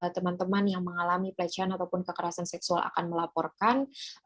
teman teman yang mengalami pelecehan ataupun kekerasan seksual akan melaporkan